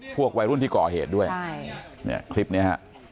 พวกว่ายหลุ่นที่ก่อเหตุด้วยคลิปนี้